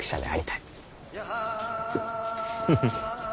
フフッ。